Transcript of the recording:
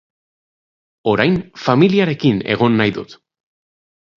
Orain familiarekin egon nahi dut.